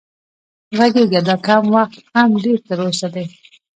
غږېږه دا کم وخت هم ډېر تر اوسه دی